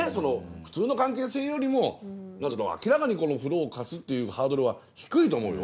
普通の関係性よりも明らかに風呂を貸すっていうハードルは低いと思うよ？